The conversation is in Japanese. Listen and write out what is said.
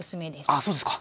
あそうですか。